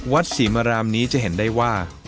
ศรีมรามนี้จะเห็นได้ว่า